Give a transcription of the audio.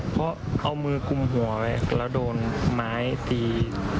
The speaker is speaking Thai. เพราะเอามือคุมหัวไว้แล้วโดนไม้ตี